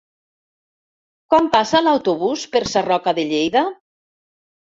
Quan passa l'autobús per Sarroca de Lleida?